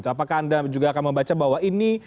apakah anda juga akan membaca bahwa ini